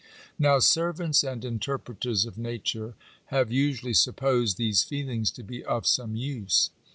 Now "servants and interpreters of nature" have usually supposed these feelings to be of some use.